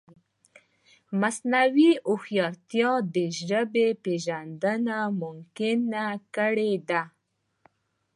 مصنوعي هوښیارتیا د ژبې پېژندنه ممکنه کړې ده.